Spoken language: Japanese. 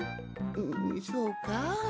んんそうか？